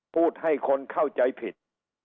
พูดให้คนเข้าใจผิด